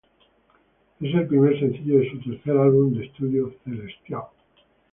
Es el primer sencillo de su tercer álbum de estudio, "Celestial".